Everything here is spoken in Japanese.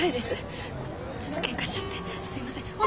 すいません。